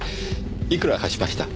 いくら貸しました？